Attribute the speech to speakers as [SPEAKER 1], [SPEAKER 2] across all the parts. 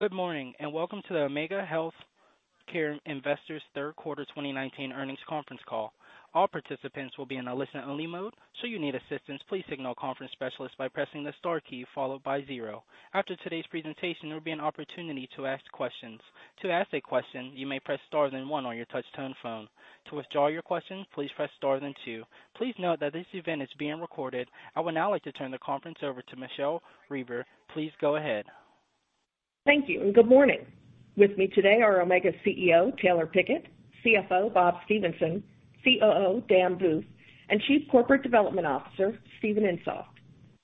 [SPEAKER 1] Good morning, and welcome to the Omega Healthcare Investors third quarter 2019 earnings conference call. All participants will be in a listen-only mode, should you need assistance, please signal a conference specialist by pressing the star key followed by zero. After today's presentation, there will be an opportunity to ask questions. To ask a question, you may press star then one on your touch-tone phone. To withdraw your question, please press star then two. Please note that this event is being recorded. I would now like to turn the conference over to Michelle Reber. Please go ahead.
[SPEAKER 2] Thank you, and good morning. With me today are Omega CEO, Taylor Pickett, CFO, Bob Stephenson, COO, Dan Vu, and Chief Corporate Development Officer, Steven Insoft.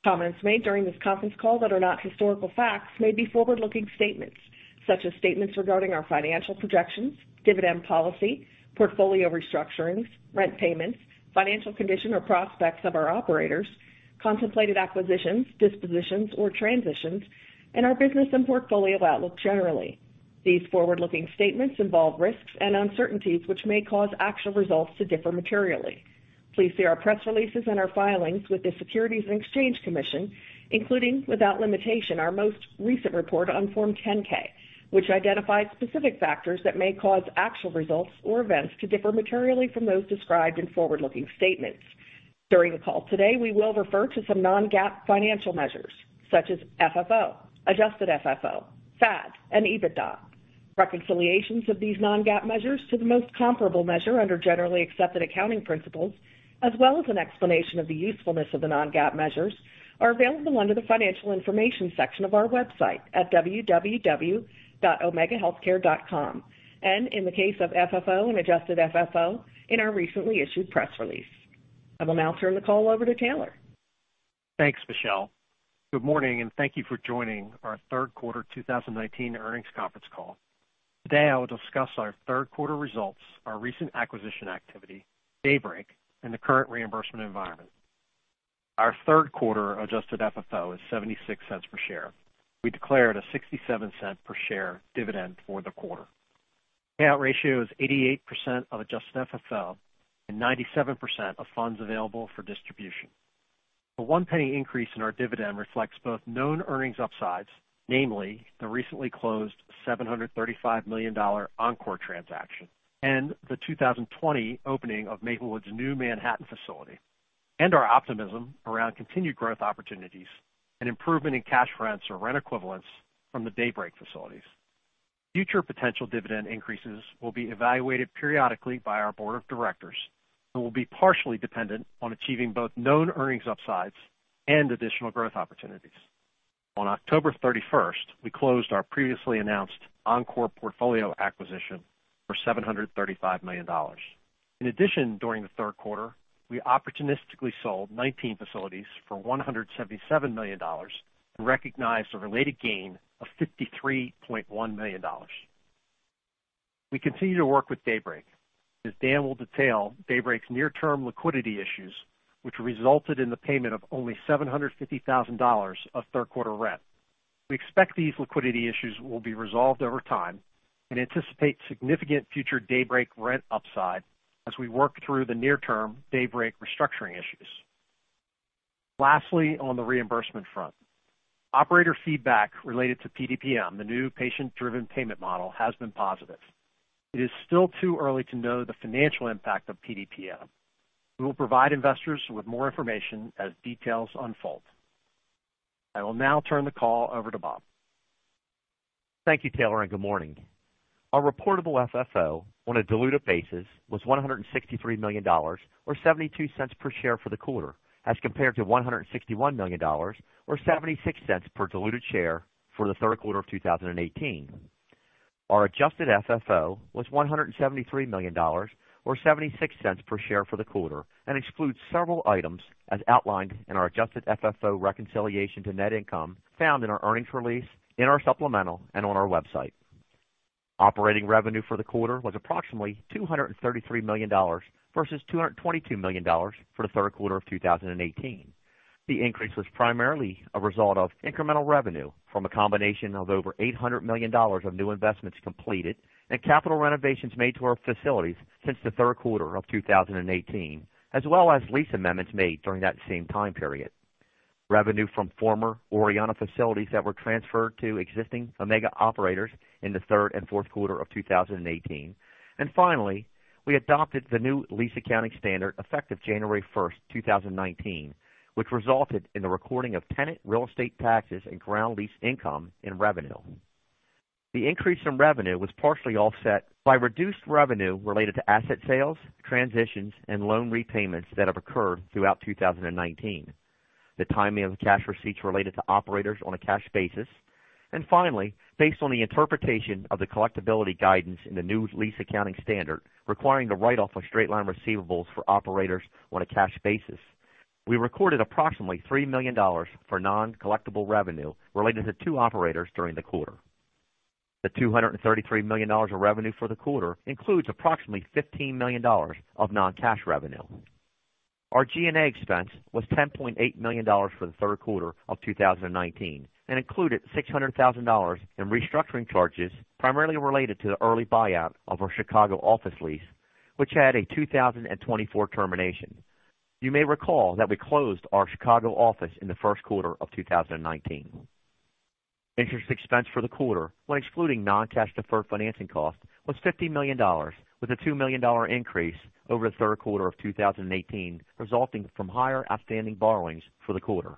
[SPEAKER 2] Comments made during this conference call that are not historical facts may be forward-looking statements such as statements regarding our financial projections, dividend policy, portfolio restructurings, rent payments, financial condition, or prospects of our operators, contemplated acquisitions, dispositions, or transitions, and our business and portfolio outlook generally. These forward-looking statements involve risks and uncertainties which may cause actual results to differ materially. Please see our press releases and our filings with the Securities and Exchange Commission, including, without limitation, our most recent report on Form 10-K, which identifies specific factors that may cause actual results or events to differ materially from those described in forward-looking statements. During the call today, we will refer to some non-GAAP financial measures such as FFO, adjusted FFO, FAD, and EBITDA. Reconciliations of these non-GAAP measures to the most comparable measure under generally accepted accounting principles, as well as an explanation of the usefulness of the non-GAAP measures, are available under the Financial Information Section of our website at www.omegahealthcare.com, and in the case of FFO and adjusted FFO, in our recently issued press release. I will now turn the call over to Taylor.
[SPEAKER 3] Thanks, Michelle. Good morning. Thank you for joining our third quarter 2019 earnings conference call. Today, I will discuss our third quarter results, our recent acquisition activity, Daybreak, and the current reimbursement environment. Our third quarter adjusted FFO is $0.76 per share. We declared a $0.67 per share dividend for the quarter. Payout ratio is 88% of adjusted FFO and 97% of funds available for distribution. The $0.01 increase in our dividend reflects both known earnings upsides, namely the recently closed $735 million Encore transaction, and the 2020 opening of Maplewood's new Manhattan facility, and our optimism around continued growth opportunities and improvement in cash rents or rent equivalents from the Daybreak facilities. Future potential dividend increases will be evaluated periodically by our board of directors and will be partially dependent on achieving both known earnings upsides and additional growth opportunities. On October 31st, we closed our previously announced Encore portfolio acquisition for $735 million. In addition, during the third quarter, we opportunistically sold 19 facilities for $177 million and recognized a related gain of $53.1 million. We continue to work with Daybreak. As Dan will detail, Daybreak's near-term liquidity issues, which resulted in the payment of only $750,000 of third quarter rent. We expect these liquidity issues will be resolved over time and anticipate significant future Daybreak rent upside as we work through the near-term Daybreak restructuring issues. Lastly, on the reimbursement front, operator feedback related to PDPM, the new Patient Driven Payment Model, has been positive. It is still too early to know the financial impact of PDPM. We will provide investors with more information as details unfold. I will now turn the call over to Bob.
[SPEAKER 4] Thank you, Taylor. Good morning. Our reportable FFO on a diluted basis was $163 million or $0.72 per share for the quarter as compared to $161 million or $0.76 per diluted share for the third quarter of 2018. Our adjusted FFO was $173 million or $0.76 per share for the quarter and excludes several items as outlined in our adjusted FFO reconciliation to net income found in our earnings release, in our supplemental, and on our website. Operating revenue for the quarter was approximately $233 million versus $222 million for the third quarter of 2018. The increase was primarily a result of incremental revenue from a combination of over $800 million of new investments completed and capital renovations made to our facilities since the third quarter of 2018, as well as lease amendments made during that same time period, and revenue from former Orianna facilities that were transferred to existing Omega operators in the third and fourth quarter of 2018. Finally, we adopted the new lease accounting standard effective January 1st, 2019, which resulted in the recording of tenant real estate taxes and ground lease income in revenue. The increase in revenue was partially offset by reduced revenue related to asset sales, transitions, and loan repayments that have occurred throughout 2019. The timing of cash receipts related to operators on a cash basis, and finally, based on the interpretation of the collectibility guidance in the new lease accounting standard requiring the write-off of straight-line receivables for operators on a cash basis. We recorded approximately $3 million for non-collectible revenue related to two operators during the quarter. The $233 million of revenue for the quarter includes approximately $15 million of non-cash revenue. Our G&A expense was $10.8 million for the third quarter of 2019 and included $600,000 in restructuring charges, primarily related to the early buyout of our Chicago office lease, which had a 2024 termination. You may recall that we closed our Chicago office in the first quarter of 2019. Interest expense for the quarter, when excluding non-cash deferred financing cost, was $50 million, with a $2 million increase over the third quarter of 2018, resulting from higher outstanding borrowings for the quarter.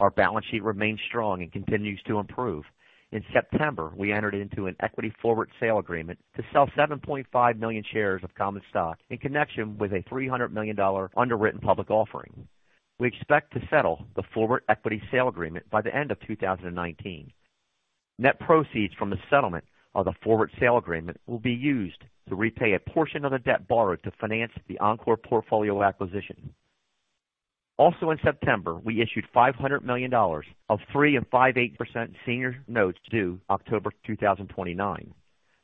[SPEAKER 4] Our balance sheet remains strong and continues to improve. In September, we entered into an equity forward sale agreement to sell 7.5 million shares of common stock in connection with a $300 million underwritten public offering. We expect to settle the forward equity sale agreement by the end of 2019. Net proceeds from the settlement of the forward sale agreement will be used to repay a portion of the debt borrowed to finance the Encore portfolio acquisition. Also in September, we issued $500 million of 3 5/8% senior notes due October 2029.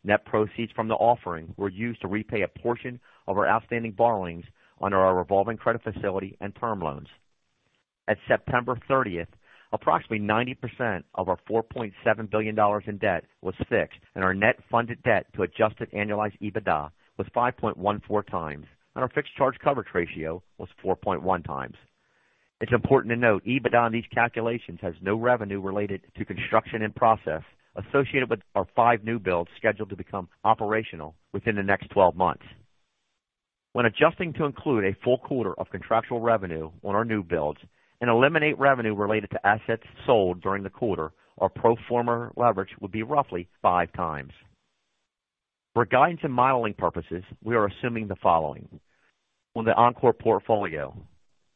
[SPEAKER 4] Net proceeds from the offering were used to repay a portion of our outstanding borrowings under our revolving credit facility and term loans. At September 30th, approximately 90% of our $4.7 billion in debt was fixed, and our net funded debt to adjusted annualized EBITDA was 5.14 times, and our fixed charge coverage ratio was 4.1 times. It's important to note, EBITDA in these calculations has no revenue related to construction and process associated with our five new builds scheduled to become operational within the next 12 months. When adjusting to include a full quarter of contractual revenue on our new builds and eliminate revenue related to assets sold during the quarter, our pro forma leverage would be roughly five times. For guidance and modeling purposes, we are assuming the following. On the Encore portfolio,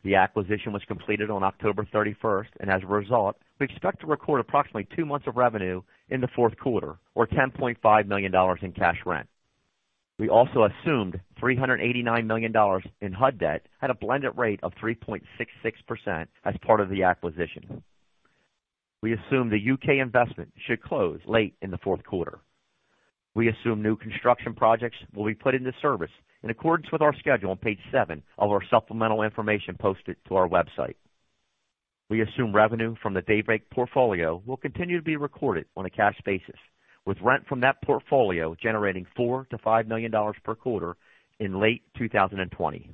[SPEAKER 4] the acquisition was completed on October 31st, and as a result, we expect to record approximately two months of revenue in the fourth quarter, or $10.5 million in cash rent. We also assumed $389 million in HUD debt at a blended rate of 3.66% as part of the acquisition. We assume the U.K. investment should close late in the fourth quarter. We assume new construction projects will be put into service in accordance with our schedule on page seven of our supplemental information posted to our website. We assume revenue from the Daybreak portfolio will continue to be recorded on a cash basis, with rent from that portfolio generating $4 million-$5 million per quarter in late 2020.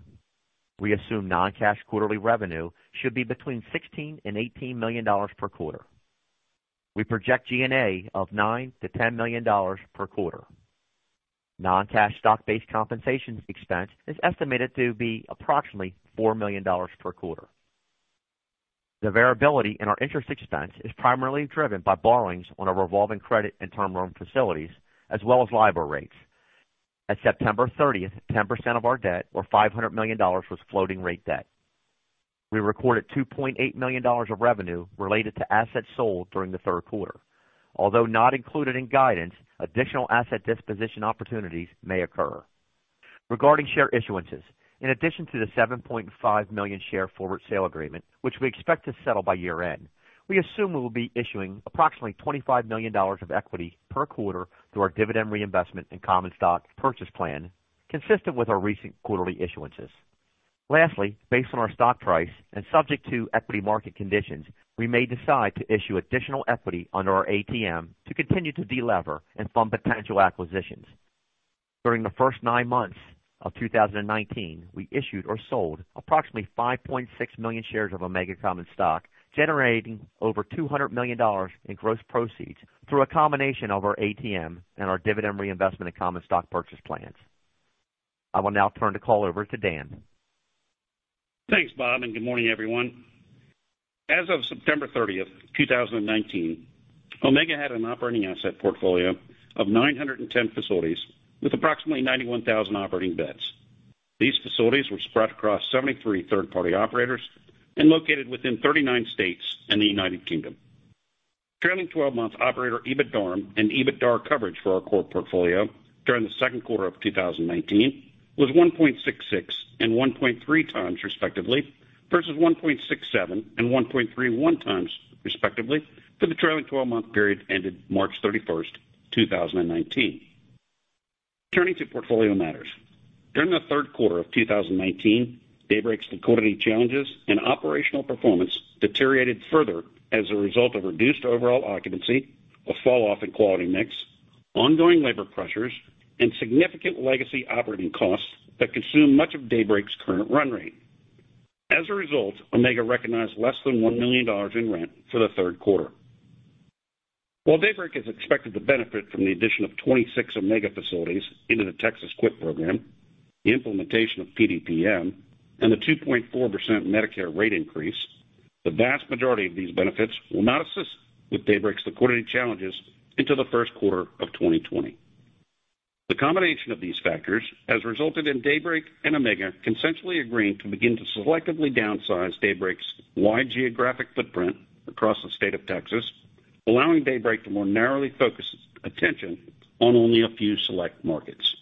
[SPEAKER 4] We assume non-cash quarterly revenue should be between $16 million-$18 million per quarter. We project G&A of $9 million-$10 million per quarter. Non-cash stock-based compensation expense is estimated to be approximately $4 million per quarter. The variability in our interest expense is primarily driven by borrowings on our revolving credit and term loan facilities, as well as LIBOR rates. At September 30th, 10% of our debt, or $500 million, was floating rate debt. We recorded $2.8 million of revenue related to assets sold during the third quarter. Although not included in guidance, additional asset disposition opportunities may occur. Regarding share issuances, in addition to the 7.5 million share forward sale agreement, which we expect to settle by year-end, we assume we will be issuing approximately $25 million of equity per quarter through our dividend reinvestment and common stock purchase plan, consistent with our recent quarterly issuances. Lastly, based on our stock price and subject to equity market conditions, we may decide to issue additional equity under our ATM to continue to de-lever and fund potential acquisitions. During the first nine months of 2019, we issued or sold approximately 5.6 million shares of Omega common stock, generating over $200 million in gross proceeds through a combination of our ATM and our dividend reinvestment and common stock purchase plans. I will now turn the call over to Dan.
[SPEAKER 5] Thanks, Bob, and good morning, everyone. As of September 30th, 2019, Omega had an operating asset portfolio of 910 facilities with approximately 91,000 operating beds. These facilities were spread across 73 third-party operators and located within 39 states and the United Kingdom. Trailing 12-month operator EBITDARM and EBITDAR coverage for our core portfolio during the second quarter of 2019 was 1.66 and 1.3 times respectively, versus 1.67 and 1.31 times respectively for the trailing 12-month period ended March 31st, 2019. Turning to portfolio matters. During the third quarter of 2019, Daybreak's liquidity challenges and operational performance deteriorated further as a result of reduced overall occupancy, a fall-off in quality mix, ongoing labor pressures, and significant legacy operating costs that consume much of Daybreak's current run rate. As a result, Omega recognized less than $1 million in rent for the third quarter. While Daybreak is expected to benefit from the addition of 26 Omega facilities into the Texas QIPP program, the implementation of PDPM, and the 2.4% Medicare rate increase, the vast majority of these benefits will not assist with Daybreak's liquidity challenges into the first quarter of 2020. The combination of these factors has resulted in Daybreak and Omega consensually agreeing to begin to selectively downsize Daybreak's wide geographic footprint across the state of Texas, allowing Daybreak to more narrowly focus its attention on only a few select markets.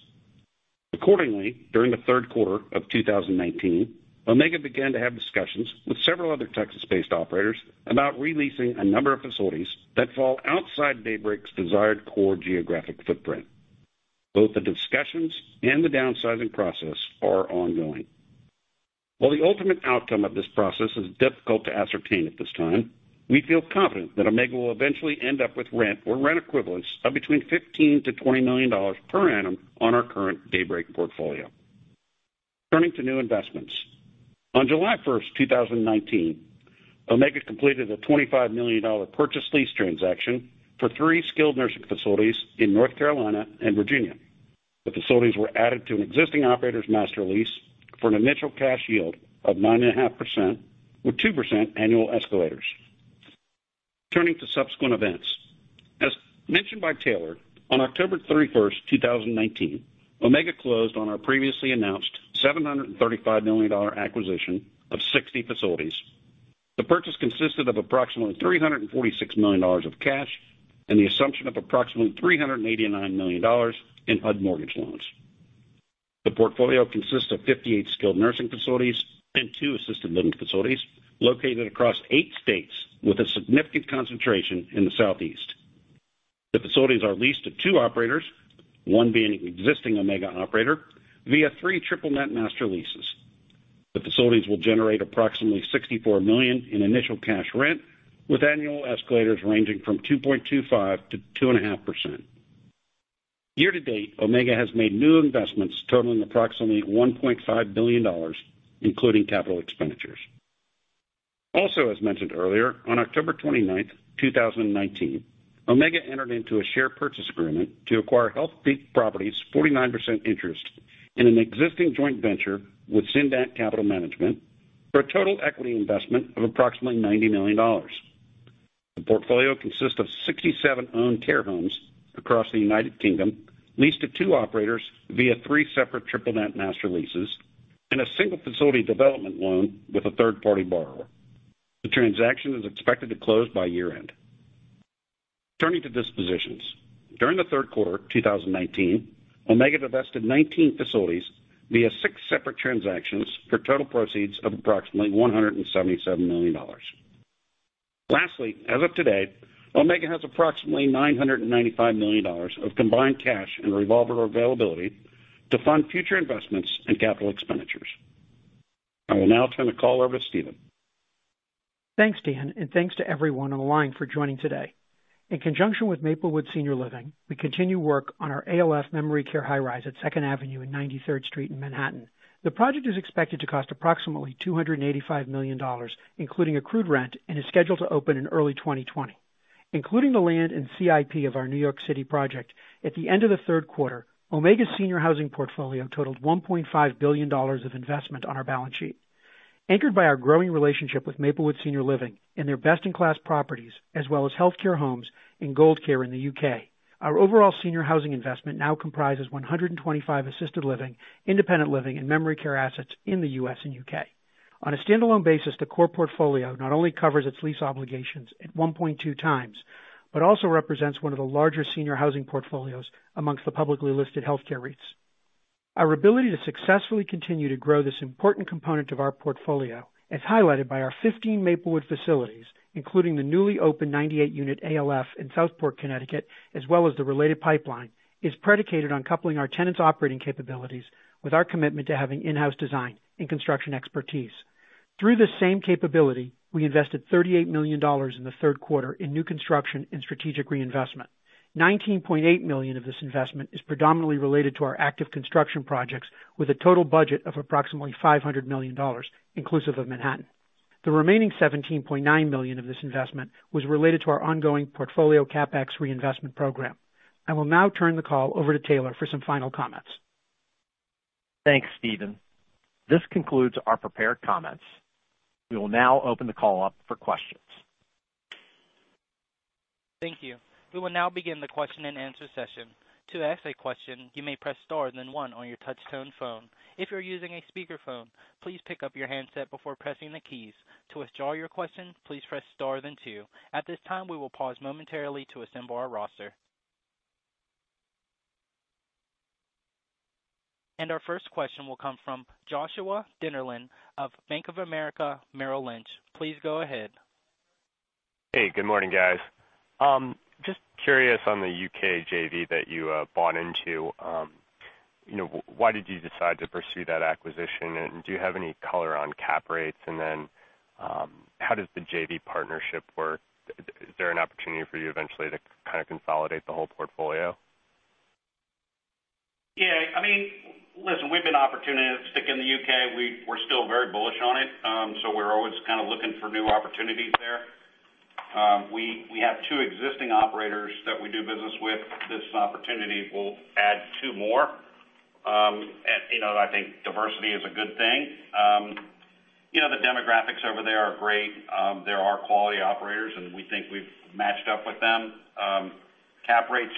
[SPEAKER 5] Accordingly, during the third quarter of 2019, Omega began to have discussions with several other Texas-based operators about re-leasing a number of facilities that fall outside Daybreak's desired core geographic footprint. Both the discussions and the downsizing process are ongoing. While the ultimate outcome of this process is difficult to ascertain at this time. We feel confident that Omega will eventually end up with rent or rent equivalents of between $15 million to $20 million per annum on our current Daybreak portfolio. Turning to new investments. On July 1st, 2019, Omega completed a $25 million purchase lease transaction for three skilled nursing facilities in North Carolina and Virginia. The facilities were added to an existing operator's master lease for an initial cash yield of 9.5% with 2% annual escalators. Turning to subsequent events. As mentioned by Taylor, on October 31st, 2019, Omega closed on our previously announced $735 million acquisition of 60 facilities. The purchase consisted of approximately $346 million of cash and the assumption of approximately $389 million in HUD mortgage loans. The portfolio consists of 58 skilled nursing facilities and two assisted living facilities located across eight states with a significant concentration in the Southeast. The facilities are leased to two operators, one being an existing Omega operator, via three triple net master leases. The facilities will generate approximately $64 million in initial cash rent, with annual escalators ranging from 2.25% to 2.5%. Year to date, Omega has made new investments totaling approximately $1.5 billion, including capital expenditures. As mentioned earlier, on October 29th, 2019, Omega entered into a share purchase agreement to acquire Healthpeak Properties' 49% interest in an existing joint venture with Cindat Capital Management for a total equity investment of approximately $90 million. The portfolio consists of 67 owned care homes across the United Kingdom, leased to two operators via three separate triple net master leases and a single facility development loan with a third-party borrower. The transaction is expected to close by year-end. Turning to dispositions. During the third quarter 2019, Omega divested 19 facilities via six separate transactions for total proceeds of approximately $177 million. As of today, Omega has approximately $995 million of combined cash and revolver availability to fund future investments and capital expenditures. I will now turn the call over to Steven.
[SPEAKER 6] Thanks, Dan, and thanks to everyone on the line for joining today. In conjunction with Maplewood Senior Living, we continue work on our ALF memory care high rise at 2nd Avenue and 93rd Street in Manhattan. The project is expected to cost approximately $285 million, including accrued rent, and is scheduled to open in early 2020. Including the land and CIP of our New York City project, at the end of the third quarter, Omega's senior housing portfolio totaled $1.5 billion of investment on our balance sheet. Anchored by our growing relationship with Maplewood Senior Living and their best-in-class properties, as well as Healthcare Homes and Gold Care in the U.K., our overall senior housing investment now comprises 125 assisted living, independent living and memory care assets in the U.S. and U.K. On a standalone basis, the core portfolio not only covers its lease obligations at 1.2 times, but also represents one of the larger senior housing portfolios amongst the publicly listed healthcare REITs. Our ability to successfully continue to grow this important component of our portfolio, as highlighted by our 15 Maplewood facilities, including the newly opened 98-unit ALF in Southport, Connecticut, as well as the related pipeline, is predicated on coupling our tenants' operating capabilities with our commitment to having in-house design and construction expertise. Through this same capability, we invested $38 million in the third quarter in new construction and strategic reinvestment. $19.8 million of this investment is predominantly related to our active construction projects, with a total budget of approximately $500 million, inclusive of Manhattan. The remaining $17.9 million of this investment was related to our ongoing portfolio CapEx reinvestment program. I will now turn the call over to Taylor for some final comments.
[SPEAKER 3] Thanks, Steven. This concludes our prepared comments. We will now open the call up for questions.
[SPEAKER 1] Thank you. We will now begin the question and answer session. To ask a question, you may press star and then one on your touchtone phone. If you're using a speakerphone, please pick up your handset before pressing the keys. To withdraw your question, please press star, then two. At this time, we will pause momentarily to assemble our roster. Our first question will come from Joshua Dennerlein of Bank of America Merrill Lynch. Please go ahead.
[SPEAKER 7] Hey, good morning, guys. Just curious on the U.K. JV that you bought into. Why did you decide to pursue that acquisition, and do you have any color on cap rates? How does the JV partnership work? Is there an opportunity for you eventually to kind of consolidate the whole portfolio?
[SPEAKER 5] Yeah. Listen, we've been opportunistic in the U.K. We're still very bullish on it, so we're always kind of looking for new opportunities there. We have two existing operators that we do business with. This opportunity will add two more. I think diversity is a good thing. The demographics over there are great. There are quality operators, and we think we've matched up with them. Cap rates.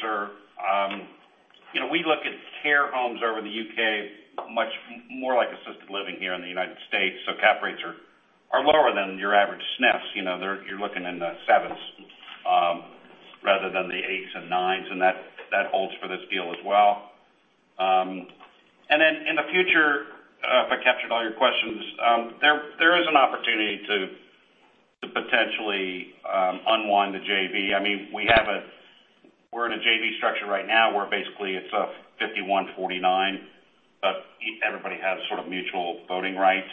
[SPEAKER 5] We look at care homes over in the U.K. much more like assisted living here in the U.S. So cap rates are lower than your average SNFs. You're looking in the sevens rather than the eights and nines, and that holds for this deal as well. In the future, if I captured all your questions, there is an opportunity to potentially unwind the JV. We're in a JV structure right now where basically it's 51/49, but everybody has mutual voting rights.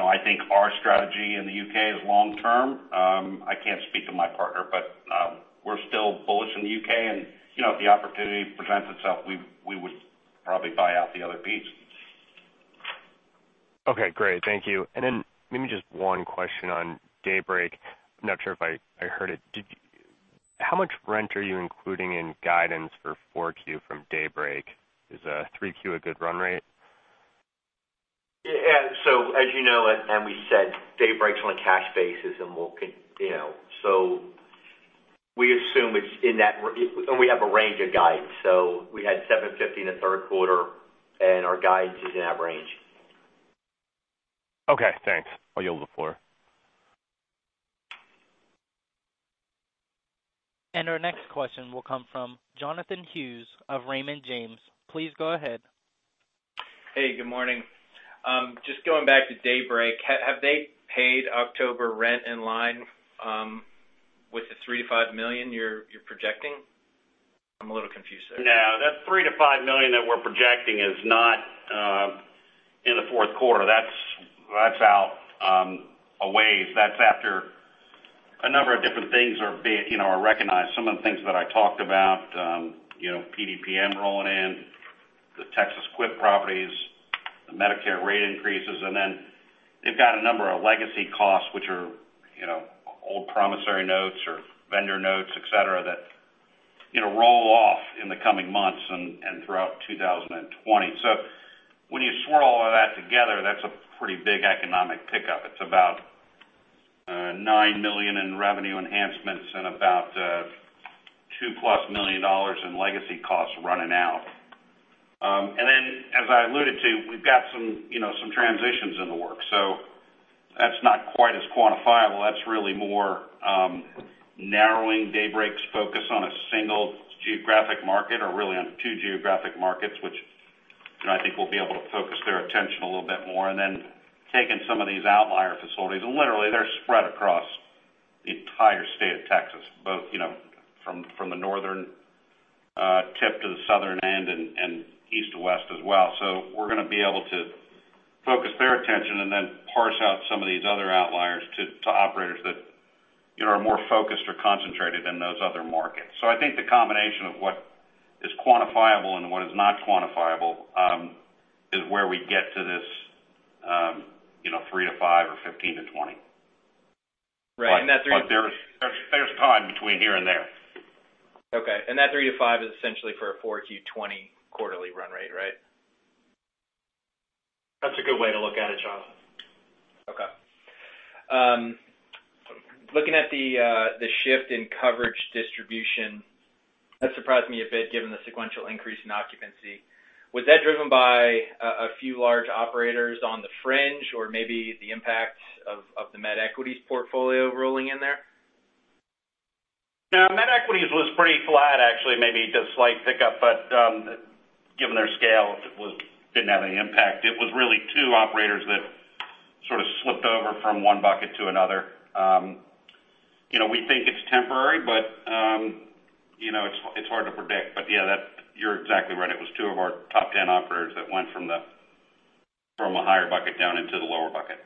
[SPEAKER 5] I think our strategy in the U.K. is long-term. I can't speak to my partner, but we're still bullish in the U.K., and if the opportunity presents itself, we would probably buy out the other piece.
[SPEAKER 7] Okay, great. Thank you. Maybe just one question on Daybreak. I'm not sure if I heard it. How much rent are you including in guidance for 4Q from Daybreak? Is 3Q a good run rate?
[SPEAKER 5] As you know, and we said, Daybreak's on a cash basis, and we have a range of guidance. We had $750 in the third quarter, and our guidance is in that range.
[SPEAKER 7] Okay, thanks. I yield the floor.
[SPEAKER 1] Our next question will come from Jonathan Hughes of Raymond James. Please go ahead.
[SPEAKER 8] Hey, good morning. Just going back to Daybreak, have they paid October rent in line with the $3 million-$5 million you're projecting? I'm a little confused there.
[SPEAKER 5] That $3 million-$5 million that we're projecting is not in the fourth quarter. That's out a ways. That's after a number of different things are recognized. Some of the things that I talked about, PDPM rolling in, the Texas QIPP properties, the Medicare rate increases, they've got a number of legacy costs, which are old promissory notes or vendor notes, et cetera, that roll off in the coming months and throughout 2020. When you swirl all of that together, that's a pretty big economic pickup. It's about $9 million in revenue enhancements and about $2 million-plus in legacy costs running out. As I alluded to, we've got some transitions in the works. That's not quite as quantifiable. That's really more narrowing Daybreak's focus on a single geographic market, or really on two geographic markets, which I think we'll be able to focus their attention a little bit more, taking some of these outlier facilities. Literally, they're spread across the entire state of Texas, both from the northern tip to the southern end and east to west as well. We're going to be able to focus their attention and then parse out some of these other outliers to operators that are more focused or concentrated in those other markets. I think the combination of what is quantifiable and what is not quantifiable is where we get to this three to five or 15 to 20.
[SPEAKER 8] Right. That three-
[SPEAKER 5] There's time between here and there.
[SPEAKER 8] Okay. That three to five is essentially for a 4Q 2020 quarterly run rate, right?
[SPEAKER 5] That's a good way to look at it, Jonathan.
[SPEAKER 8] Okay. Looking at the shift in coverage distribution, that surprised me a bit given the sequential increase in occupancy. Was that driven by a few large operators on the fringe or maybe the impact of the MedEquities portfolio rolling in there?
[SPEAKER 5] MedEquities was pretty flat, actually, maybe just slight pickup, but given their scale, it didn't have any impact. It was really two operators that sort of slipped over from one bucket to another. We think it's temporary, but it's hard to predict. Yeah, you're exactly right. It was two of our top 10 operators that went from a higher bucket down into the lower bucket.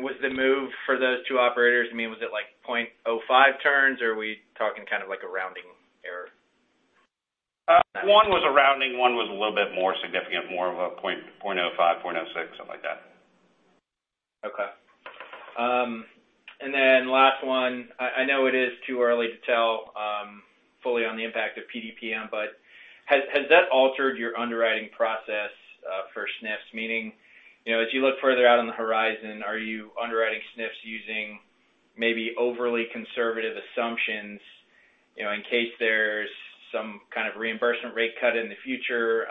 [SPEAKER 8] Was the move for those two operators, was it like 0.05 turns, or are we talking kind of like a rounding error?
[SPEAKER 5] One was a rounding, one was a little bit more significant, more of a 0.05, 0.06, something like that.
[SPEAKER 8] Okay. Last one, I know it is too early to tell fully on the impact of PDPM, but has that altered your underwriting process for SNFs? Meaning, as you look further out on the horizon, are you underwriting SNFs using maybe overly conservative assumptions, in case there's some kind of reimbursement rate cut in the future,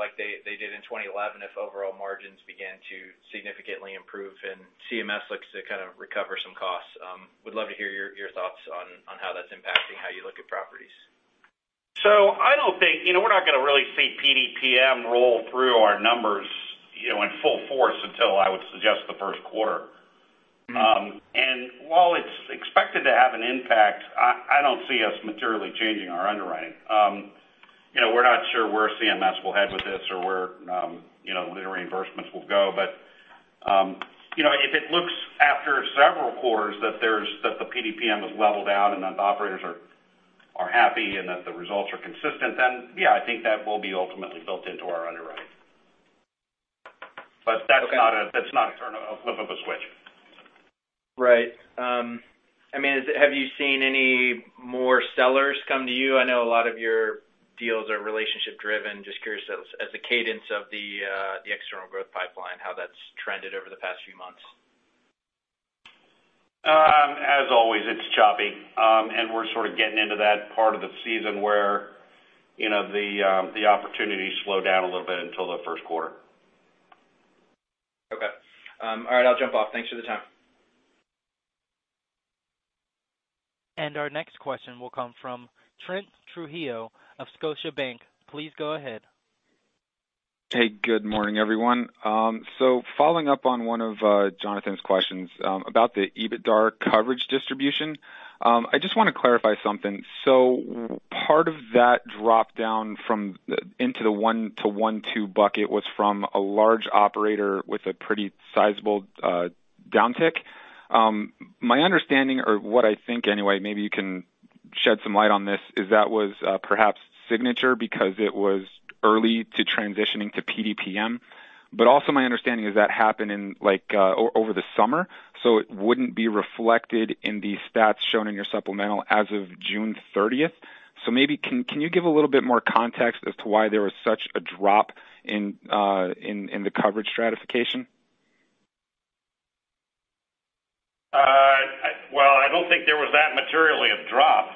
[SPEAKER 8] like they did in 2011, if overall margins began to significantly improve and CMS looks to kind of recover some costs? Would love to hear your thoughts on how that's impacting how you look at properties.
[SPEAKER 5] We're not going to really see PDPM roll through our numbers in full force until, I would suggest, the first quarter. While it's expected to have an impact, I don't see us materially changing our underwriting. We're not sure where CMS will head with this or where the reimbursements will go. If it looks after several quarters that the PDPM has leveled out and that the operators are happy and that the results are consistent, then yeah, I think that will be ultimately built into our underwriting. That's not a flip of a switch.
[SPEAKER 8] Right. Have you seen any more sellers come to you? I know a lot of your deals are relationship-driven. Just curious as the cadence of the external growth pipeline, how that's trended over the past few months.
[SPEAKER 5] As always, it's choppy. We're sort of getting into that part of the season where the opportunities slow down a little bit until the first quarter.
[SPEAKER 8] Okay. All right, I'll jump off. Thanks for the time.
[SPEAKER 1] Our next question will come from Trent Trujillo of Scotiabank. Please go ahead.
[SPEAKER 9] Hey, good morning, everyone. Following up on one of Jonathan's questions about the EBITDA coverage distribution, I just want to clarify something. Part of that drop-down into the 1-1.2 bucket was from a large operator with a pretty sizable downtick. My understanding, or what I think anyway, maybe you can shed some light on this, is that was perhaps Signature because it was early to transitioning to PDPM. Also, my understanding is that happened over the summer, so it wouldn't be reflected in the stats shown in your supplemental as of June 30th. Maybe can you give a little bit more context as to why there was such a drop in the coverage stratification?
[SPEAKER 5] Well, I don't think there was that materially a drop.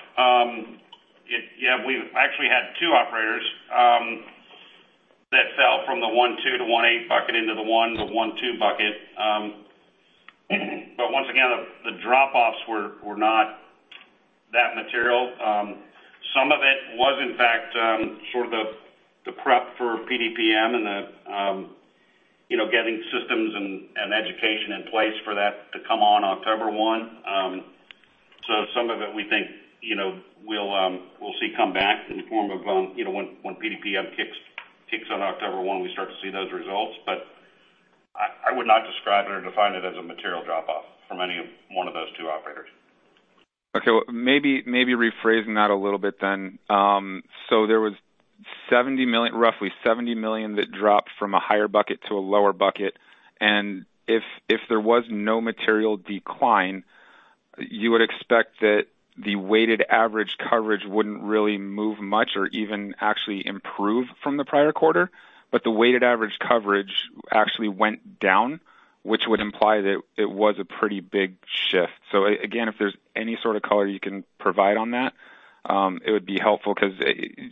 [SPEAKER 5] We actually had two operators that fell from the one-two to one-eight bucket into the one to one-two bucket. Once again, the drop-offs were not that material. Some of it was, in fact, sort of the prep for PDPM and getting systems and education in place for that to come on October 1. Some of it we think we'll see come back in the form of when PDPM kicks on October 1, we start to see those results. I would not describe it or define it as a material drop-off from any one of those two operators.
[SPEAKER 9] Okay. Well, maybe rephrasing that a little bit then. There was roughly $70 million that dropped from a higher bucket to a lower bucket. If there was no material decline, you would expect that the weighted average coverage wouldn't really move much or even actually improve from the prior quarter. The weighted average coverage actually went down, which would imply that it was a pretty big shift. Again, if there's any sort of color you can provide on that, it would be helpful because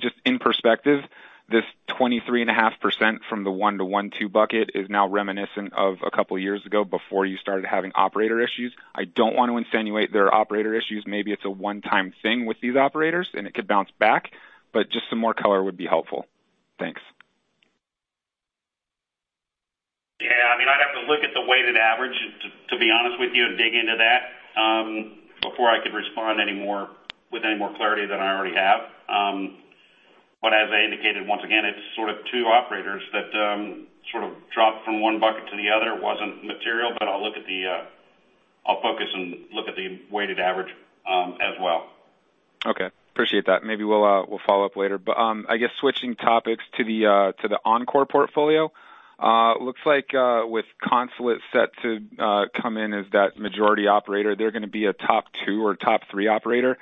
[SPEAKER 9] just in perspective, this 23.5% from the 1 to 1.2 bucket is now reminiscent of a couple of years ago before you started having operator issues. I don't want to insinuate there are operator issues. Maybe it's a one-time thing with these operators, and it could bounce back, but just some more color would be helpful. Thanks.
[SPEAKER 5] Yeah, I'd have to look at the weighted average, to be honest with you, and dig into that before I could respond with any more clarity than I already have. As I indicated, once again, it's sort of two operators that sort of dropped from one bucket to the other. Wasn't material, but I'll focus and look at the weighted average as well.
[SPEAKER 9] Okay. Appreciate that. Maybe we'll follow up later. I guess switching topics to the Encore portfolio. Looks like with Consulate set to come in as that majority operator, they're going to be a top two or top three operator.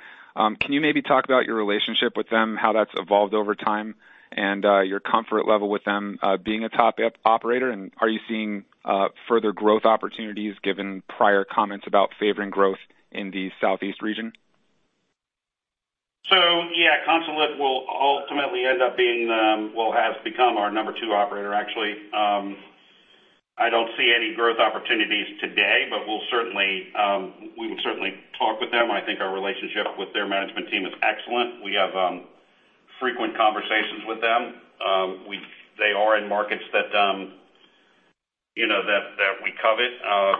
[SPEAKER 9] Can you maybe talk about your relationship with them, how that's evolved over time, and your comfort level with them being a top five operator? Are you seeing further growth opportunities given prior comments about favoring growth in the Southeast region?
[SPEAKER 5] Yeah, Consulate will ultimately end up being Well, has become our number 2 operator, actually. I don't see any growth opportunities today, but we would certainly talk with them, and I think our relationship with their management team is excellent. We have frequent conversations with them. They are in markets that we covet,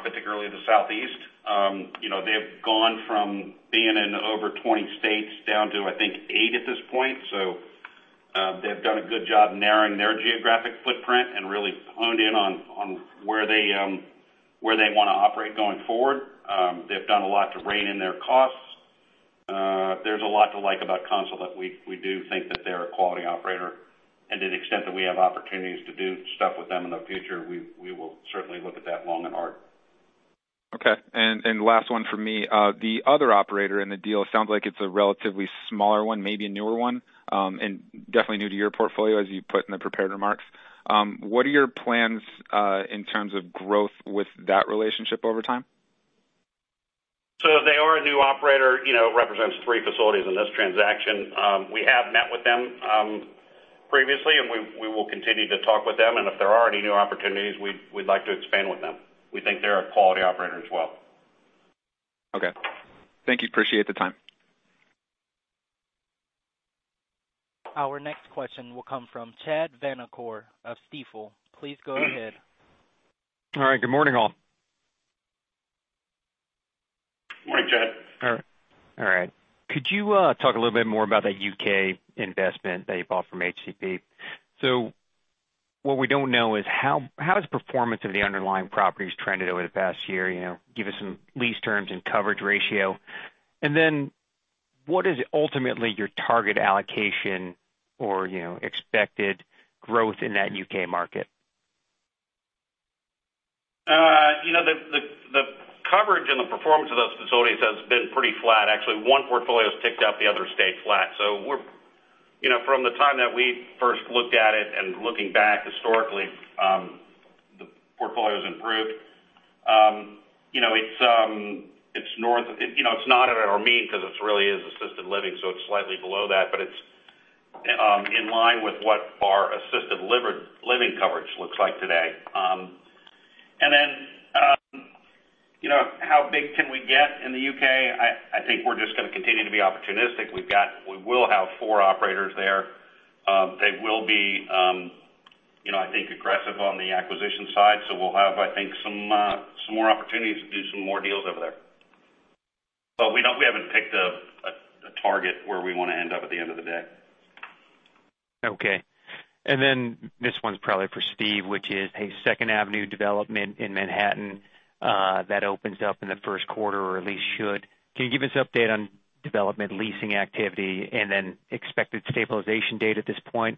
[SPEAKER 5] particularly the Southeast. They've gone from being in over 20 states down to, I think, eight at this point. They've done a good job narrowing their geographic footprint and really honed in on where they want to operate going forward. They've done a lot to rein in their costs. There's a lot to like about Consulate. We do think that they're a quality operator, and to the extent that we have opportunities to do stuff with them in the future, we will certainly look at that long and hard.
[SPEAKER 9] Okay. Last one from me. The other operator in the deal, it sounds like it's a relatively smaller one, maybe a newer one, and definitely new to your portfolio, as you put in the prepared remarks. What are your plans in terms of growth with that relationship over time?
[SPEAKER 5] They are a new operator, represents three facilities in this transaction. We have met with them previously, and we will continue to talk with them, and if there are any new opportunities, we'd like to expand with them. We think they're a quality operator as well.
[SPEAKER 9] Okay. Thank you. Appreciate the time.
[SPEAKER 1] Our next question will come from Chad Vanacore of Stifel. Please go ahead.
[SPEAKER 10] All right. Good morning, all.
[SPEAKER 5] Morning, Chad.
[SPEAKER 10] All right. Could you talk a little bit more about that U.K. investment that you bought from HCP? What we don't know is how has performance of the underlying properties trended over the past year? Give us some lease terms and coverage ratio. What is ultimately your target allocation or expected growth in that U.K. market?
[SPEAKER 5] The coverage and the performance of those facilities has been pretty flat. Actually, one portfolio has ticked up, the other stayed flat. From the time that we first looked at it and looking back historically, the portfolio's improved. It's not at our mean because it really is assisted living, so it's slightly below that, but it's in line with what our assisted living coverage looks like today. How big can we get in the U.K.? I think we're just going to continue to be opportunistic. We will have four operators there. They will be, I think, aggressive on the acquisition side. We'll have, I think, some more opportunities to do some more deals over there. We haven't picked a target where we want to end up at the end of the day.
[SPEAKER 10] Okay. Then this one's probably for Steve, which is, hey, Second Avenue development in Manhattan, that opens up in the first quarter or at least should. Can you give us update on development leasing activity and then expected stabilization date at this point?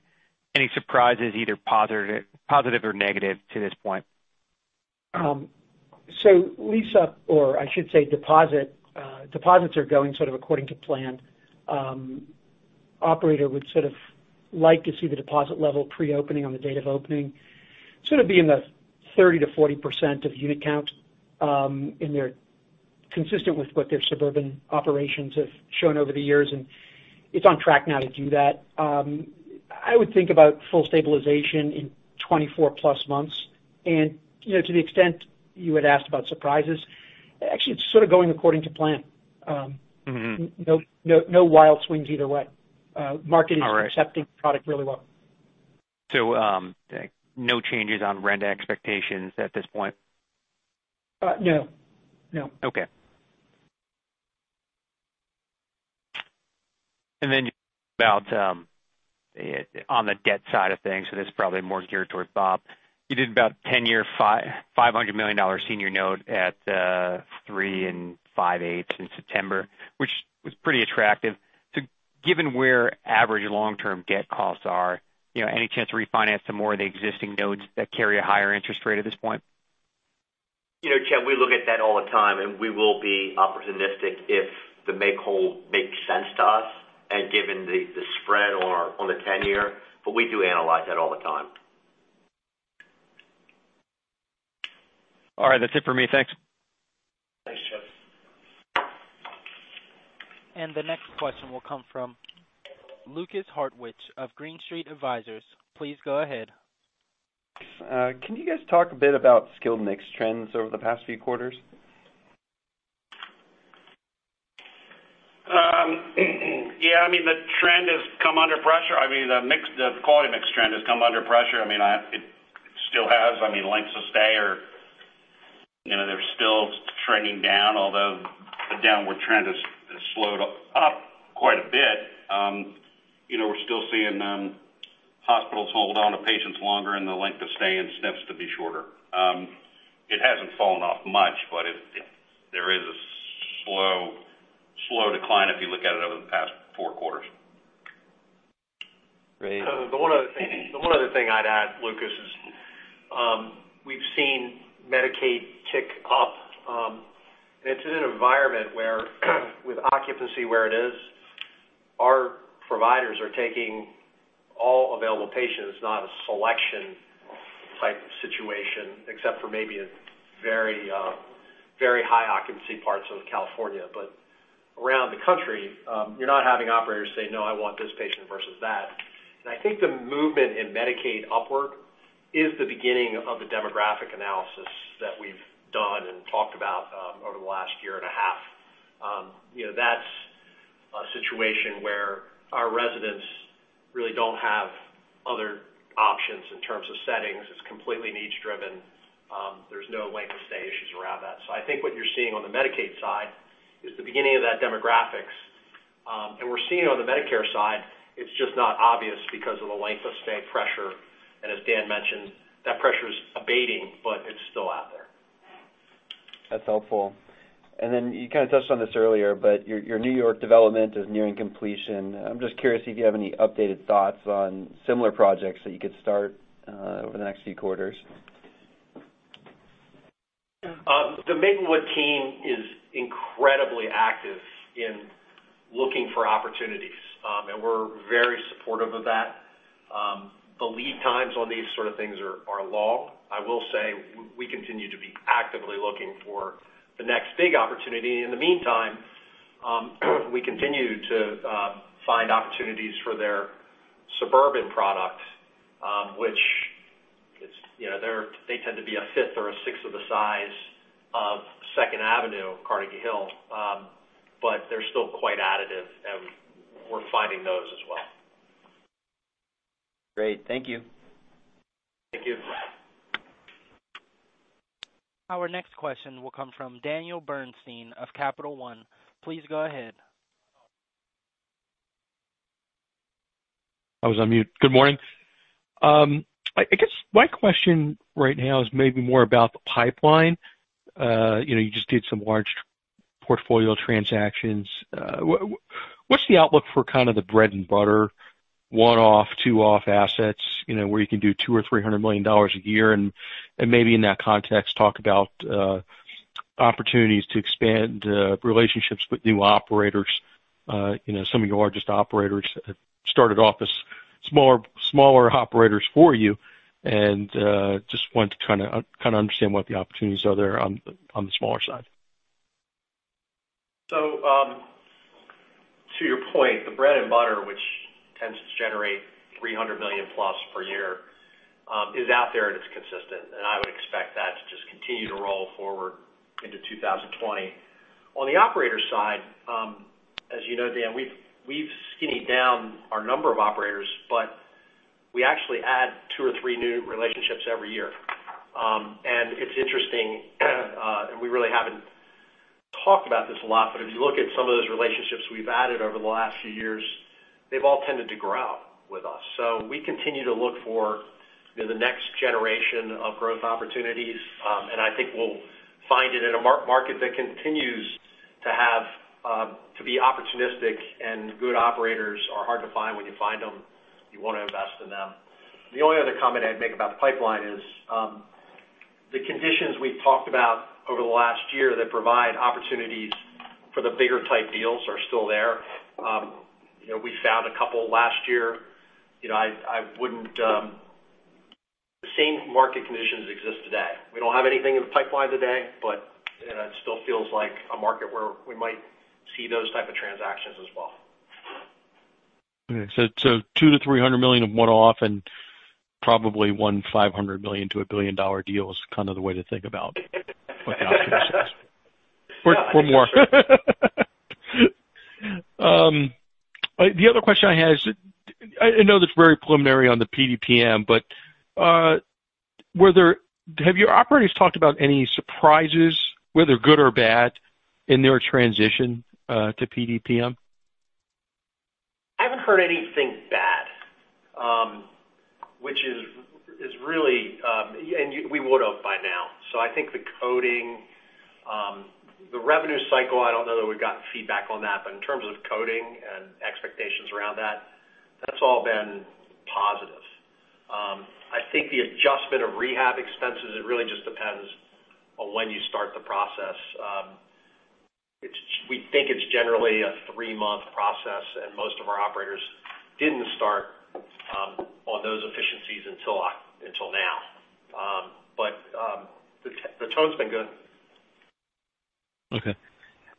[SPEAKER 10] Any surprises, either positive or negative to this point?
[SPEAKER 6] Lease up, or I should say deposits are going sort of according to plan. Operator would sort of like to see the deposit level pre-opening on the date of opening sort of be in the 30%-40% of unit count. They're consistent with what their suburban operations have shown over the years, and it's on track now to do that. I would think about full stabilization in 24 plus months. To the extent you had asked about surprises, actually, it's sort of going according to plan. No wild swings either way.
[SPEAKER 10] All right.
[SPEAKER 6] Market is accepting product really well.
[SPEAKER 10] No changes on rent expectations at this point?
[SPEAKER 6] No.
[SPEAKER 10] Okay. About on the debt side of things, this is probably more geared toward Bob. You did about 10-year $500 million senior note at 3.625% in September, which was pretty attractive. Given where average long-term debt costs are, any chance to refinance some more of the existing notes that carry a higher interest rate at this point?
[SPEAKER 5] You know, Chad, we look at that all the time, and we will be opportunistic if the make-whole makes sense to us and given the spread on the 10-year, but we do analyze that all the time.
[SPEAKER 10] All right. That's it for me. Thanks.
[SPEAKER 5] Thanks, Chad.
[SPEAKER 1] The next question will come from Lukas Hartwich of Green Street Advisors. Please go ahead.
[SPEAKER 11] Can you guys talk a bit about skilled mix trends over the past few quarters?
[SPEAKER 5] Yeah. The quality mix trend has come under pressure. It still has. Lengths of stay are still trending down, although the downward trend has slowed up quite a bit. We're still seeing hospitals hold onto patients longer and the length of stay in SNFs to be shorter. It hasn't fallen off much, but there is a slow decline if you look at it over the past four quarters.
[SPEAKER 11] Great.
[SPEAKER 3] The one other thing I'd add, Lukas, is we've seen Medicaid tick up. It's in an environment where with occupancy where it is, our providers are taking all available patients, not a selection type situation, except for maybe in very high occupancy parts of California. Around the country, you're not having operators say, "No, I want this patient versus that." I think the movement in Medicaid upward is the beginning of the demographic analysis that we've done and talked about, over the last year and a half. That's a situation where our residents really don't have other options in terms of settings. It's completely niche driven. There's no length of stay issues around that. I think what you're seeing on the Medicaid side is the beginning of that demographics. We're seeing it on the Medicare side, it's just not obvious because of the length of stay pressure. As Dan mentioned, that pressure's abating, but it's still out there.
[SPEAKER 11] That's helpful. You kind of touched on this earlier, but your New York development is nearing completion. I'm just curious if you have any updated thoughts on similar projects that you could start over the next few quarters.
[SPEAKER 3] The Maplewood team is incredibly active in looking for opportunities, and we're very supportive of that. The lead times on these sort of things are long. I will say, we continue to be actively looking for the next big opportunity. In the meantime, we continue to find opportunities for their suburban product, which they tend to be a fifth or a sixth of the size of Second Avenue, Carnegie Hill, but they're still quite additive, and we're finding those as well.
[SPEAKER 11] Great. Thank you.
[SPEAKER 3] Thank you.
[SPEAKER 1] Our next question will come from Daniel Bernstein of Capital One. Please go ahead.
[SPEAKER 12] I was on mute. Good morning. I guess my question right now is maybe more about the pipeline. You just did some large portfolio transactions. What's the outlook for kind of the bread and butter one-off, two-off assets where you can do $200 million or $300 million a year, maybe in that context, talk about opportunities to expand relationships with new operators. Some of your largest operators started off as smaller operators for you, and just wanted to kind of understand what the opportunities are there on the smaller side.
[SPEAKER 3] To your point, the bread and butter, which tends to generate $300 million plus per year, is out there and it's consistent. I would expect that to just continue to roll forward into 2020. On the operator side, as you know, Dan, we've skinny down our number of operators, but we actually add two or three new relationships every year. It's interesting, and we really haven't talked about this a lot, but if you look at some of those relationships we've added over the last few years, they've all tended to grow with us. We continue to look for the next generation of growth opportunities, and I think we'll find it in a market that continues to be opportunistic, and good operators are hard to find. When you find them, you want to invest in them. The only other comment I'd make about the pipeline is, the conditions we've talked about over the last year that provide opportunities for the bigger type deals are still there. We found a couple last year. The same market conditions exist today. We don't have anything in the pipeline today. It still feels like a market where we might see those type of transactions as well.
[SPEAKER 12] Okay, $200 million-$300 million of one-off and probably one $500 million-$1 billion deal is kind of the way to think about the outlook for more. The other question I had is, I know that's very preliminary on the PDPM, but have your operators talked about any surprises, whether good or bad, in their transition to PDPM?
[SPEAKER 3] I haven't heard anything bad, and we would've by now. I think the revenue cycle, I don't know that we've gotten feedback on that, but in terms of coding and expectations around that's all been positive. I think the adjustment of rehab expenses, it really just depends on when you start the process. We think it's generally a three-month process, and most of our operators didn't start on those efficiencies until now. The tone's been good.
[SPEAKER 12] Okay.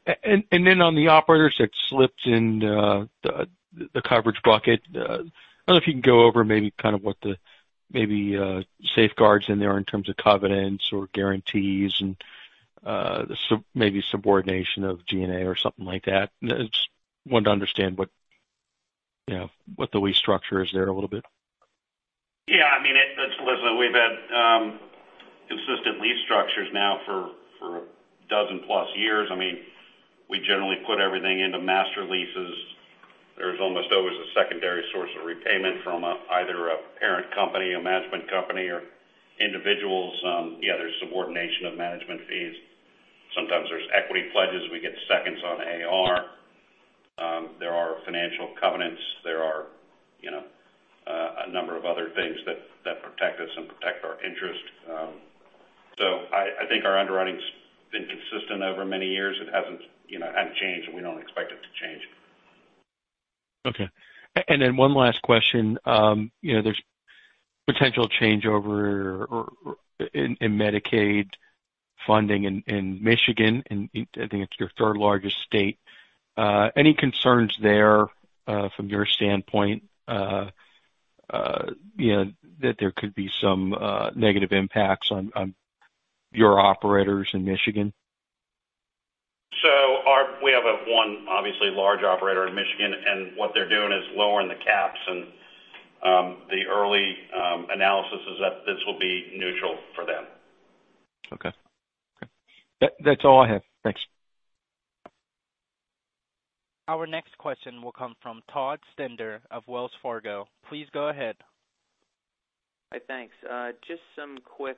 [SPEAKER 12] On the operators that slipped in the coverage bucket, I don't know if you can go over maybe kind of what the safeguards in there are in terms of covenants or guarantees and maybe subordination of G&A or something like that. I just wanted to understand what the lease structure is there a little bit.
[SPEAKER 3] Listen, we've had consistent lease structures now for a dozen plus years. We generally put everything into master leases. There's almost always a secondary source of repayment from either a parent company, a management company, or individuals. There's subordination of management fees. Sometimes there's equity pledges. We get seconds on AR. There are financial covenants. There are a number of other things that protect us and protect our interest. I think our underwriting's been consistent over many years. It hadn't changed, we don't expect it to change.
[SPEAKER 12] Okay. One last question. There's potential changeover in Medicaid funding in Michigan, and I think it's your third largest state. Any concerns there, from your standpoint, that there could be some negative impacts on your operators in Michigan?
[SPEAKER 3] We have one obviously large operator in Michigan, and what they're doing is lowering the caps, and the early analysis is that this will be neutral for them.
[SPEAKER 12] Okay. That's all I have. Thanks.
[SPEAKER 1] Our next question will come from Todd Stender of Wells Fargo. Please go ahead.
[SPEAKER 13] Hi, thanks. Just some quick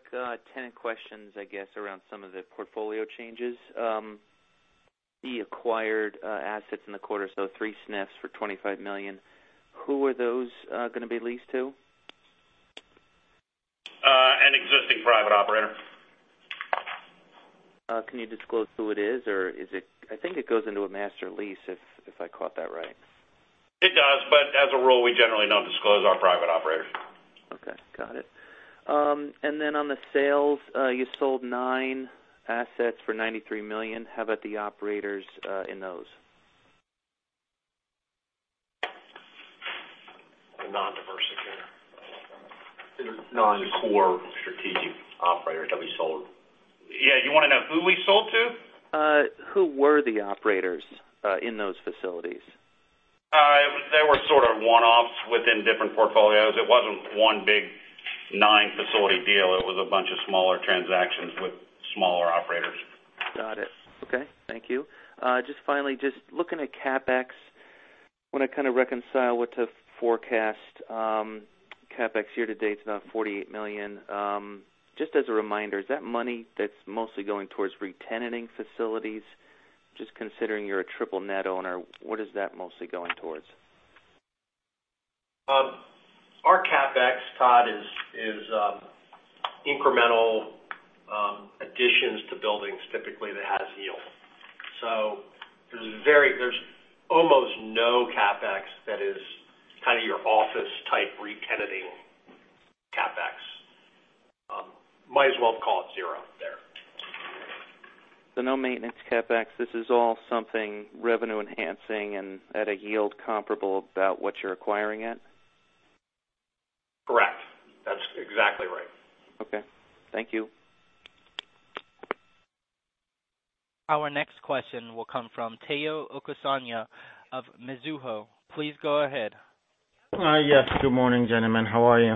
[SPEAKER 13] tenant questions, I guess, around some of the portfolio changes. The acquired assets in the quarter, so three SNFs for $25 million. Who are those going to be leased to?
[SPEAKER 3] An existing private operator.
[SPEAKER 13] Can you disclose who it is, or I think it goes into a master lease, if I caught that right?
[SPEAKER 3] It does, but as a rule, we generally don't disclose our private operators.
[SPEAKER 13] Okay. Got it. On the sales, you sold nine assets for $93 million. How about the operators in those?
[SPEAKER 3] A non-diversifier.
[SPEAKER 4] Non-core strategic operator that we sold.
[SPEAKER 3] Yeah. You want to know who we sold to?
[SPEAKER 13] Who were the operators in those facilities?
[SPEAKER 3] They were sort of one-offs within different portfolios. It wasn't one big nine-facility deal. It was a bunch of smaller transactions with smaller operators.
[SPEAKER 13] Got it. Okay. Thank you. Just finally, just looking at CapEx, want to kind of reconcile what the forecast CapEx year to date, it's about $48 million. Just as a reminder, is that money that's mostly going towards re-tenanting facilities? Just considering you're a triple net owner, what is that mostly going towards?
[SPEAKER 3] Our CapEx, Todd, is incremental additions to buildings, typically that has yield. There's almost no CapEx that is kind of your office type re-tenanting. Might as well call it zero there.
[SPEAKER 13] No maintenance CapEx. This is all something revenue enhancing and at a yield comparable about what you're acquiring it?
[SPEAKER 3] Correct. That's exactly right.
[SPEAKER 13] Okay. Thank you.
[SPEAKER 1] Our next question will come from Tayo Okusanya of Mizuho. Please go ahead.
[SPEAKER 14] Yes. Good morning, gentlemen. How are you?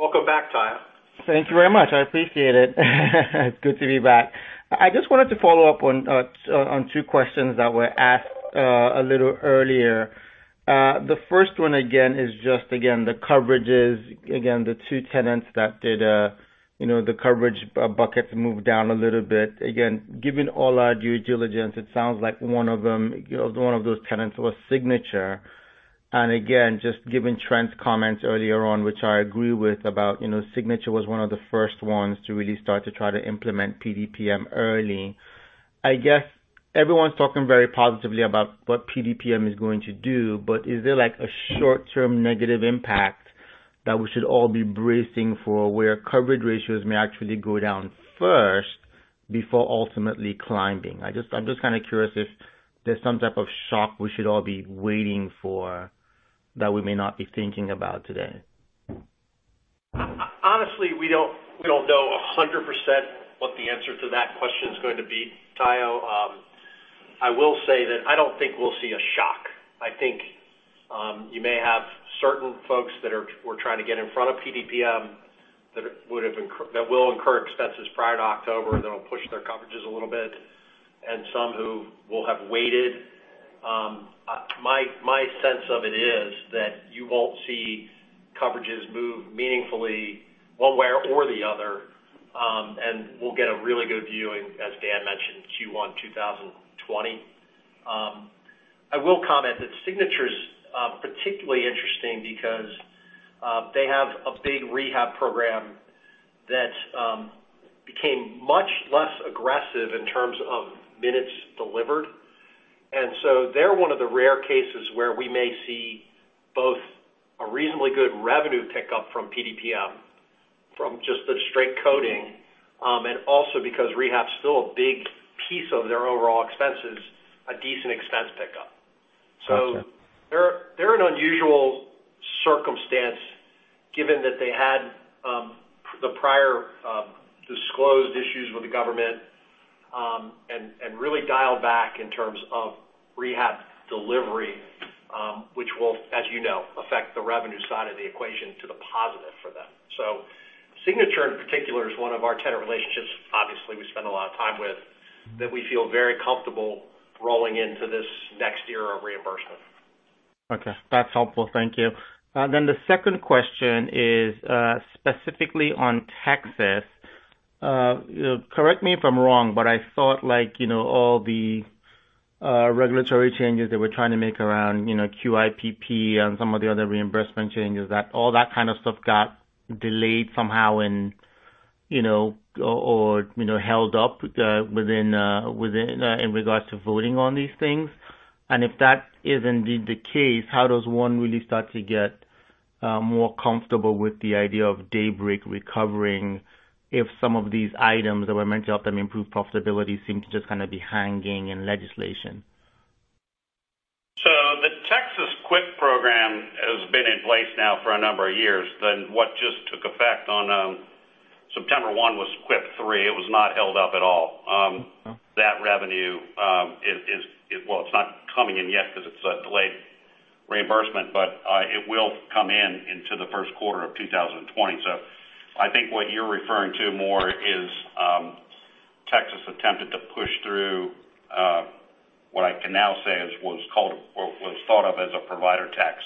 [SPEAKER 3] Welcome back, Tayo.
[SPEAKER 14] Thank you very much. I appreciate it. It's good to be back. I just wanted to follow up on two questions that were asked a little earlier. The first one again is just, the coverages. The two tenants that did the coverage buckets moved down a little bit. Given all our due diligence, it sounds like one of those tenants was Signature. Just given Trent's comments earlier on, which I agree with about, Signature was one of the first ones to really start to try to implement PDPM early. I guess everyone's talking very positively about what PDPM is going to do, is there like a short-term negative impact that we should all be bracing for, where coverage ratios may actually go down first before ultimately climbing? I'm just kind of curious if there's some type of shock we should all be waiting for that we may not be thinking about today?
[SPEAKER 3] Honestly, we don't know 100% what the answer to that question is going to be, Tayo. I will say that I don't think we'll see a shock. I think, you may have certain folks that were trying to get in front of PDPM, that will incur expenses prior to October, that'll push their coverages a little bit and some who will have waited. My sense of it is that you won't see coverages move meaningfully one way or the other, and we'll get a really good view, as Dan mentioned, Q1 2020. I will comment that Signature's particularly interesting because they have a big rehab program that became much less aggressive in terms of minutes delivered. They're one of the rare cases where we may see both a reasonably good revenue pickup from PDPM, from just the straight coding, and also because rehab's still a big piece of their overall expenses, a decent expense pickup.
[SPEAKER 14] Got you.
[SPEAKER 3] They're an unusual circumstance, given that they had the prior disclosed issues with the government, and really dialed back in terms of rehab delivery, which will, as you know, affect the revenue side of the equation to the positive for them. Signature in particular is one of our tenant relationships obviously we spend a lot of time with, that we feel very comfortable rolling into this next era of reimbursement.
[SPEAKER 14] Okay, that's helpful. Thank you. The second question is, specifically on Texas. Correct me if I'm wrong, but I thought all the regulatory changes they were trying to make around QIPP and some of the other reimbursement changes, that all that kind of stuff got delayed somehow or held up in regards to voting on these things. If that is indeed the case, how does one really start to get more comfortable with the idea of Daybreak recovering if some of these items that were meant to help them improve profitability seem to just be hanging in legislation?
[SPEAKER 3] The Texas QIPP program has been in place now for a number of years. What just took effect on September one was QIPP III. It was not held up at all.
[SPEAKER 14] Okay.
[SPEAKER 3] That revenue, well, it's not coming in yet because it's a delayed reimbursement, but it will come in into the first quarter of 2020. I think what you're referring to more is, Texas attempted to push through, what I can now say was thought of as a provider tax.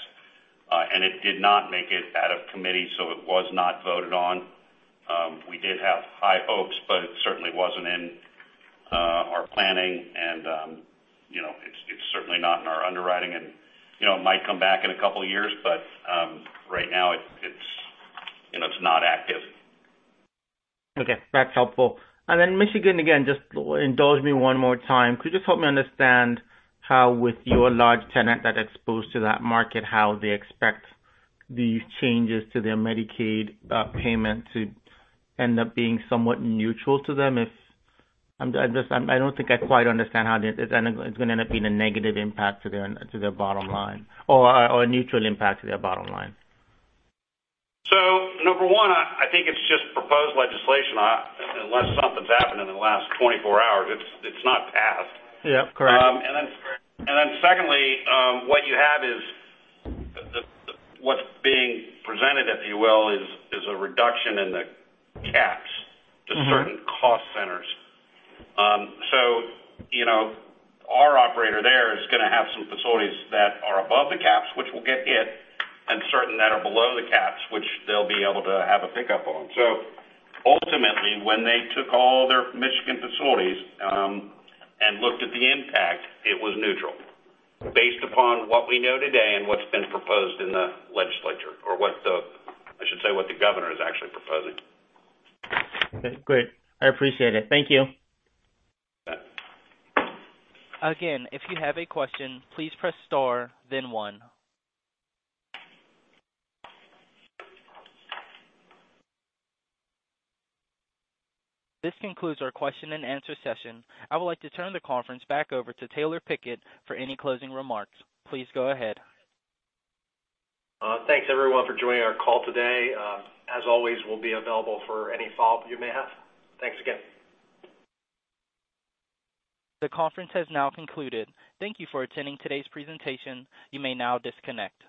[SPEAKER 3] It did not make it out of committee. It was not voted on. We did have high hopes. It certainly wasn't in our planning and it's certainly not in our underwriting. It might come back in a couple of years. Right now it's not active.
[SPEAKER 14] Okay, that's helpful. Michigan again, just indulge me one more time. Could you just help me understand how with your large tenant that exposed to that market, how they expect these changes to their Medicaid payment to end up being somewhat neutral to them? I don't think I quite understand how it's going to end up being a negative impact to their bottom line or a neutral impact to their bottom line.
[SPEAKER 3] Number 1, I think it's just proposed legislation. Unless something's happened in the last 24 hours, it's not passed.
[SPEAKER 14] Yeah, correct.
[SPEAKER 3] Secondly, what you have is what's being presented, if you will, is a reduction in the Caps. To certain cost centers. Our operator there is going to have some facilities that are above the caps, which will get hit, and certain that are below the caps, which they'll be able to have a pickup on. Ultimately, when they took all their Michigan facilities, and looked at the impact, it was neutral based upon what we know today and what's been proposed in the legislature or I should say, what the governor is actually proposing.
[SPEAKER 14] Okay, great. I appreciate it. Thank you.
[SPEAKER 3] You bet.
[SPEAKER 1] Again, if you have a question, please press star then one. This concludes our question and answer session. I would like to turn the conference back over to Taylor Pickett for any closing remarks. Please go ahead.
[SPEAKER 3] Thanks everyone for joining our call today. As always, we'll be available for any follow-up you may have. Thanks again.
[SPEAKER 1] The conference has now concluded. Thank you for attending today's presentation. You may now disconnect.